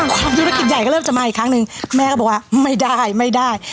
ความธุรกิจใหญ่ก็เริ่มจะมาอีกครั้งหนึ่งแม่ก็บอกว่าไม่ได้ไม่ได้